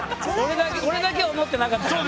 俺だけは思ってなかったからな。